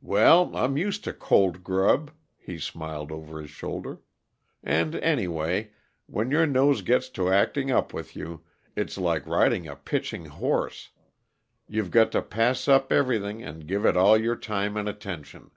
"Well, I'm used to cold grub," he smiled over his shoulder. "And, anyway, when your nose gets to acting up with you, it's like riding a pitching horse; you've got to pass up everything and give it all your time and attention."